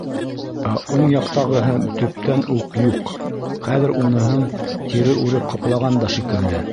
Ә уң яҡтағыһы төптән үк юҡ, хәҙер уныһын тире үреп ҡаплаған да шикелле.